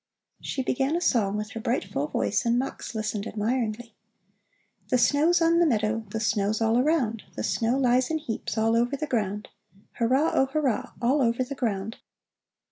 She began a song with her bright, full voice and Mux listened admiringly. The snow's on the meadow, The snow's all around, The snow lies in heaps All over the ground. Hurrah, oh hurrah! All over the ground.